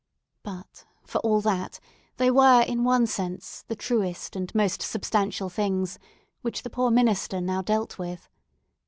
But, for all that, they were, in one sense, the truest and most substantial things which the poor minister now dealt with.